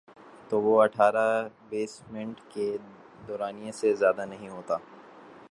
تو وہ اٹھارہ بیس منٹ کے دورانیے سے زیادہ نہیں ہوتا۔